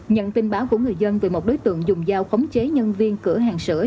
nhận tin báo của người dân về một đối tượng dùng dao khống chế nhân viên cửa hàng sữa